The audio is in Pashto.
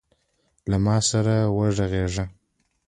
له ما سره وغږیږﺉ .